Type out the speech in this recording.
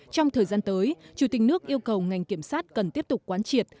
trong thời gian tới chủ tịch nước yêu cầu ngành kiểm sát cần tiếp tục quán triệt